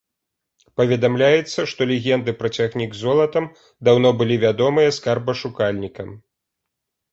Паведамляецца, што легенды пра цягнік з золатам даўно былі вядомыя скарбашукальнікам.